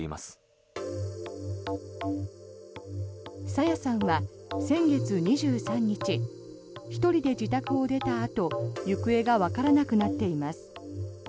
朝芽さんは先月２３日１人で自宅を出たあと行方がわからなくなっています。